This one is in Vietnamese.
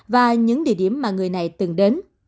và những địa điểm mà người này từng đến